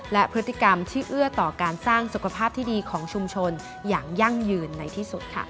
และพฤติกรรมที่เอื้อต่อการสร้างสุขภาพที่ดีของชุมชนอย่างยั่งยืนในที่สุดค่ะ